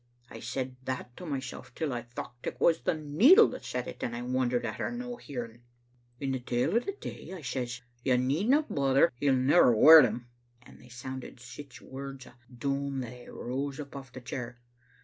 ' I said that to mysel' till I thocht it was the needle that said it, and I wondered at her no hearing. "In the tail o* the day I says, 'You needna bother; he'll never wear them,' and they sounded sic words o' doom that I rose up off the chair.